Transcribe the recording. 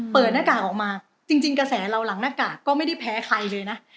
หน้ากากออกมาจริงกระแสเราหลังหน้ากากก็ไม่ได้แพ้ใครเลยนะ